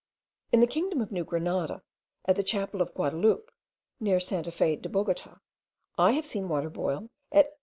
In the kingdom of New Grenada, at the chapel of Guadaloupe, near Santa Fe de Bogota, I have seen water boil at 89.